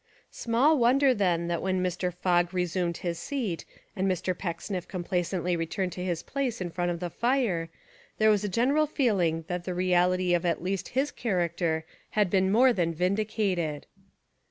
Small wonder then that when Mr. Fogg re sumed his seat and Mr. Pecksniff complacently returned to his place In front of the fire, there was a general feeling that the reality of at least his character had been more than vindicated.